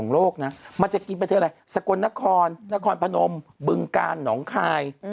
ละคอนพนมบึงการหนองขาย